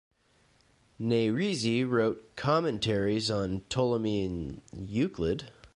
Nayrizi wrote commentaries on Ptolemy and Euclid.